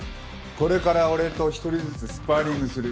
これから俺と一人ずつスパーリングする。